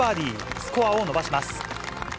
スコアを伸ばします。